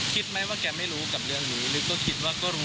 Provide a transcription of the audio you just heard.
คิดไหมว่าแกไม่รู้กับเรื่องนี้หรือก็คิดว่าก็รู้